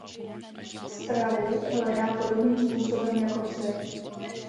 Stravu hledá podobným způsobem jako psi.